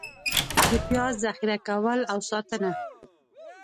د پیاز ذخېره کول او ساتنه: